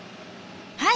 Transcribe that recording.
はい。